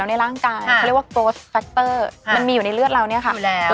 แข็งแรงอยากรู้ว่ายังไง